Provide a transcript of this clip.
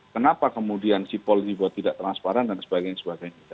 kenapa kemudian si polri buat tidak transparan dan sebagainya sebagainya